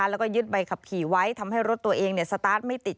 แล้วก็ยึดใบขับขี่ไว้ทำให้รถตัวเองสตาร์ทไม่ติด